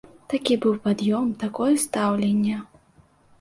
Такі быў пад'ём, такое стаўленне.